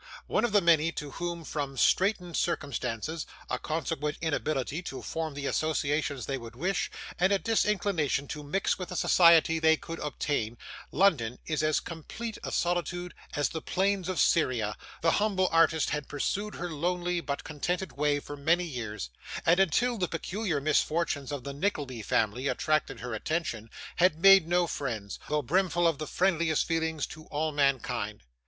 One of the many to whom, from straitened circumstances, a consequent inability to form the associations they would wish, and a disinclination to mix with the society they could obtain, London is as complete a solitude as the plains of Syria, the humble artist had pursued her lonely, but contented way for many years; and, until the peculiar misfortunes of the Nickleby family attracted her attention, had made no friends, though brimful of the friendliest feelings to all mankind.